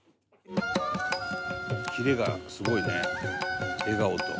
キレがすごいね笑顔と。